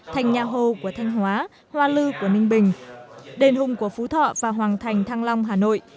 thành nhà hồ của thanh hóa hoa lư của ninh bình đền hùng của phú thọ và hoàng thành thăng long hà nội